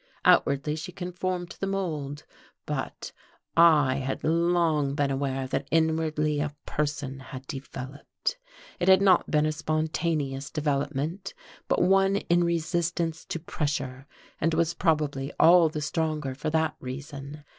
Outwardly she conformed to the mould; but I had long been aware that inwardly a person had developed. It had not been a spontaneous development, but one in resistance to pressure; and was probably all the stronger for that reason.